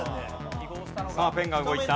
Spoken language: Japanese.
さあペンが動いた。